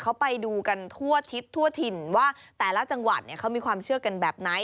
เขาไปดูกันทั่วทิศทั่วถิ่นว่าแต่ละจังหวัดเนี่ยเขามีความเชื่อกันแบบไหน